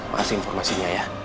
makasih informasinya ya